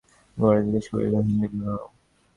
গোরা জিজ্ঞাসা করিল, হিন্দুবিবাহ?